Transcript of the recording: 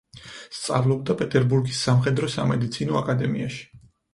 სწავლობდა პეტერბურგის სამხედრო-სამედიცინო აკადემიაში.